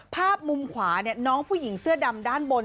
ภาพมุมขวาน้องผู้หญิงเสื้อดำด้านบน